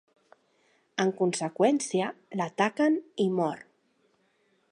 En conseqüència, l'ataquen i mor.